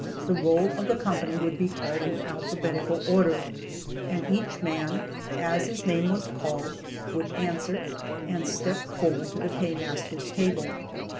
The roll of the company would be called in alphabetical order, and each man, as his name was called, would answer, and step forward to the paymaster's table.